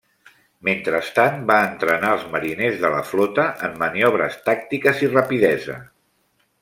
Mentrestant va entrenar els mariners de la flota en maniobres tàctiques i rapidesa.